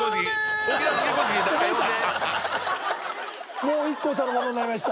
發ＩＫＫＯさんのものになりました